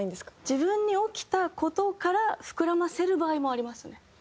自分に起きた事から膨らませる場合もありますね。